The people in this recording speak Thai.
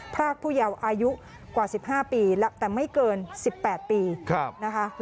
พรากผู้เยาว์อายุกว่าสิบห้าปีแต่ไม่เกินสิบแปดปีครับ